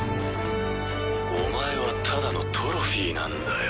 お前はただのトロフィーなんだよ。